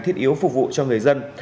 thiết yếu phục vụ cho người dân